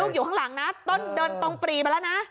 อยู่ข้างหลังนะต้นเดินตรงปรีมาแล้วนะ